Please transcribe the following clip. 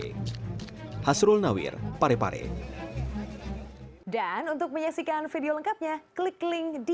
ketika sepeda motor diperlukan sepeda motor yang berada di dasar dermaga telah dievakuasi pada minggu sore